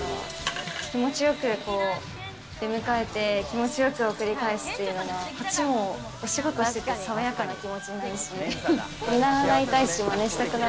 気持ちよく出迎えて気持ちよく送り返すっていうのが、こっちもお仕事してて、さわやかな気持ちになるし、見習いたいし、まねしたくなる。